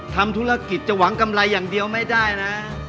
ทำธุรกิจจะหวังกำไรอย่างเดียวไม่ได้นะ